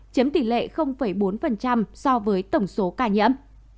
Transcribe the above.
chiếm tỷ lệ bốn so với tổng số ca nhiễm